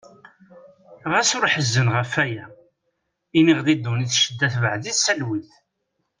Ɣas ur ḥezzen ɣef aya. Neɣ di ddunit ccedda tebeε-itt talwit.